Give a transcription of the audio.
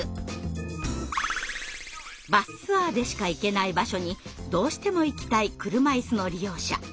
バスツアーでしか行けない場所にどうしても行きたい車いすの利用者。